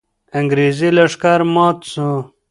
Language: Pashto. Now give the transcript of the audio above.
انګریزي لښکر مات سو.